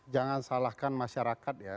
jangan salahkan masyarakat ya